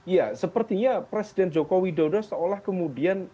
ya sepertinya presiden joko widodo seolah kemudian